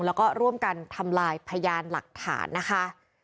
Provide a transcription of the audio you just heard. แล้วก็ร่วมกันทำลายพยานหลักฐานนะคะ